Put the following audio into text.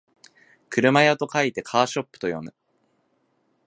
車屋と書いてカーショップと読む